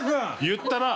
言ったな！